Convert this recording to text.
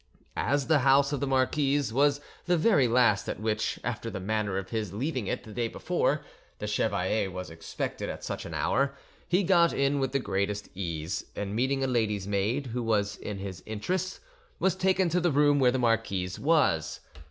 As the house of the marquise was the very last at which, after the manner of his leaving it the day before, the chevalier was expected at such an hour, he got in with the greatest ease, and, meeting a lady's maid, who was in his interests, was taken to the room where the marquise was.